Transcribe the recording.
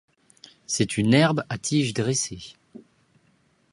C'est une herbe à tige dressée.